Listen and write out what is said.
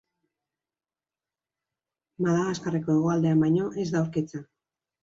Madagaskarreko hegoaldean baino ez da aurkitzen.